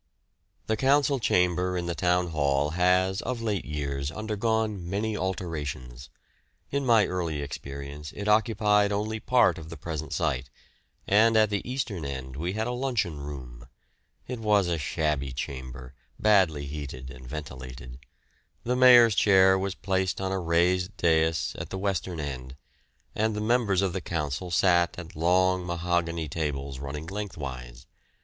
The council chamber in the Town Hall has of late years undergone many alterations. In my early experience it occupied only part of the present site, and at the eastern end we had a luncheon room. It was a shabby chamber, badly heated and ventilated; the Mayor's chair was placed on a raised dais at the western end, and the members of the Council sat at long mahogany tables running lengthwise.